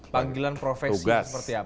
panggilan profesi seperti apa